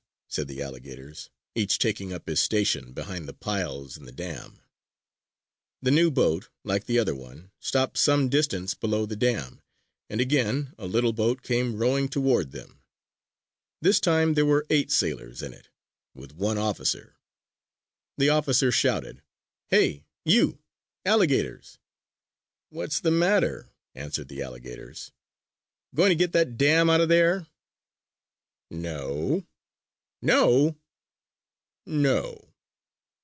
said the alligators, each taking up his station behind the piles in the dam. The new boat, like the other one, stopped some distance below the dam; and again a little boat came rowing toward them. This time there were eight sailors in it, with one officer. The officer shouted: "Hey, you, alligators!" "What's the matter?" answered the alligators. "Going to get that dam out of there?" "No!" "No?" "No!"